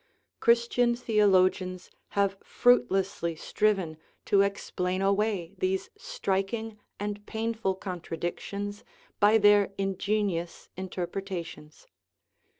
Christian theologians have fruitlessly striven to explain away these striking and painful contradic tions by their ingenious interpretations.